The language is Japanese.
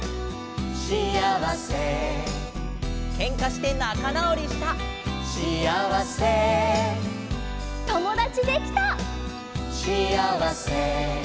「シアワセ」「ケンカしてなかなおりした」「シアワセ」「ともだちできた」「シアワセ」